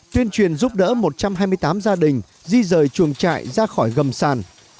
tuyên truyền giúp đỡ một trăm hai mươi tám gia đình di rời chuồng trại ra khỏi gầm sàn